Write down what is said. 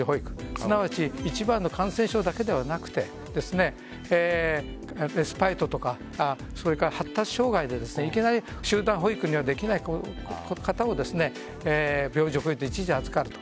すなわち１番の感染症だけではなくてレスパイトとか発達障害でいきなり集団保育にはできない方を病児保育で一時預かると。